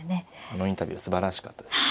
あのインタビューすばらしかったです。